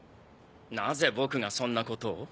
なぜ僕がそんなことを？